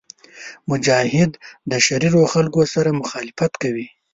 مجاهد د شریرو خلکو سره مخالفت کوي.